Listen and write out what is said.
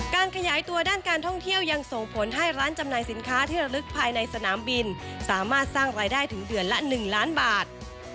การขยายตัวด้านการท่องเที่ยวยังส่งผลให้ร้านจำหน่ายสินค้าที่ระลึกภายในสนามบินสามารถสร้างรายได้ถึงเดือนละ๑ล้านบาท